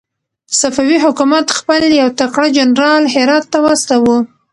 صفوي حکومت خپل يو تکړه جنرال هرات ته واستاوه.